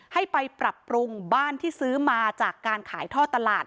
ให้ไปปรับปรุงบ้านที่ซื้อมาจากการขายท่อตลาด